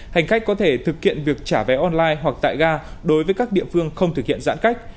hành khách có thể thực hiện việc trả vé online hoặc tại ga đối với các địa phương không thực hiện giãn cách